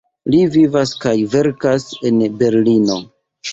Li vivas kaj verkas en Berlino.